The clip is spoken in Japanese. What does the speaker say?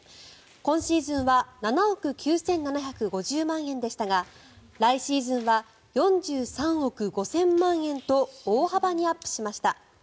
今シーズンは７億９７５０万円でしたが来シーズンは４３億５０００万円と大幅にアップしました。